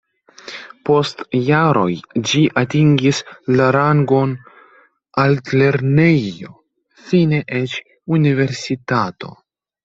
Post jaroj ĝi atingis la rangon altlernejo, fine eĉ universitato.